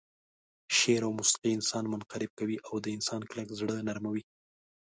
شعر او موسيقي انسان منقلب کوي او د انسان کلک زړه نرموي.